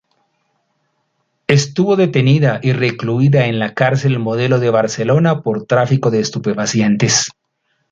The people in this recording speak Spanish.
Estuvo detenida y recluida en la Cárcel Modelo de Barcelona por tráfico de estupefacientes.